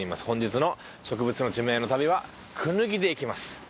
本日の植物の地名の旅は「椚」でいきます。